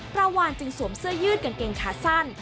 วานจึงสวมเสื้อยืดกางเกงขาสั้น